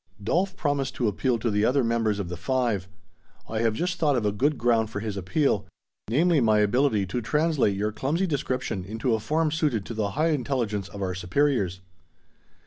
Dolf promised to appeal to the other members of the Five. I have just thought of a good ground for his appeal; namely, my ability to translate your clumsy description into a form suited to the high intelligence of our superiors."